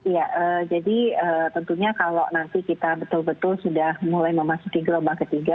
ya jadi tentunya kalau nanti kita betul betul sudah mulai memasuki gelombang ketiga